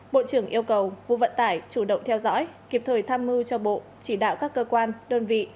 bộ trưởng yêu cầu vụ vận tải chủ động theo dõi kịp thời tham mưu cho bộ chỉ đạo các cơ quan đơn vị